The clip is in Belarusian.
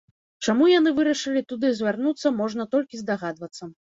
Чаму яны вырашылі туды звярнуцца, можна толькі здагадвацца.